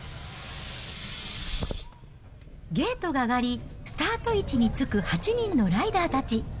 ゲートが上がり、スタート位置に就く８人のライダーたち。